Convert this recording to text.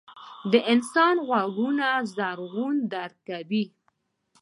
• د انسان غوږونه ږغونه درک کوي.